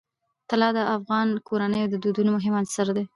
طلا د افغان کورنیو د دودونو مهم عنصر دی.